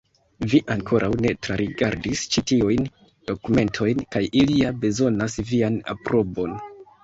Vi ankoraŭ ne trarigardis ĉi tiujn dokumentojn, kaj ili ja bezonas vian aprobon.